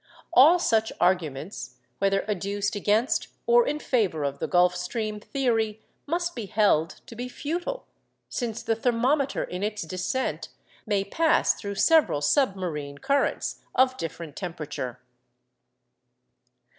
All such arguments, whether adduced against or in favour of the Gulf Stream theory, must be held, to be futile, since the thermometer in its descent may pass through several submarine currents of different temperature.